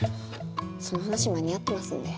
その話間に合ってますんで。